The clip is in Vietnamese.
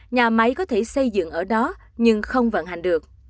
nhà máy có thể xây dựng ở đó nhưng không vận hành được